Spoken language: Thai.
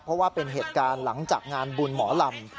เพราะว่าเป็นเหตุการณ์หลังจากงานบุญหมอลำ